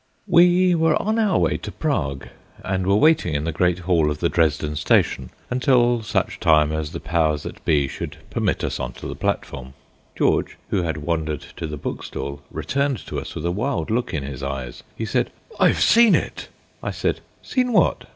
We were on our way to Prague, and were waiting in the great hall of the Dresden Station until such time as the powers that be should permit us on to the platform. George, who had wandered to the bookstall, returned to us with a wild look in his eyes. He said: "I've seen it." I said, "Seen what?"